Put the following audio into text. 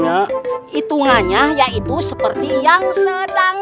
selasi selasi bangun